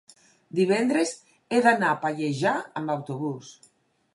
divendres he d'anar a Pallejà amb autobús.